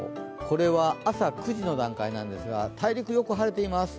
これは朝９時の段階なんですが、大陸、よく晴れています。